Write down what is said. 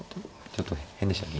ちょっと変でした？